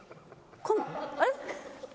あれ？